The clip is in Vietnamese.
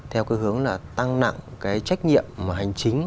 theo cái hướng là tăng nặng cái trách nhiệm hành chính